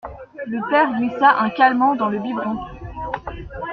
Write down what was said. Le père glissa un calmant dans le biberon.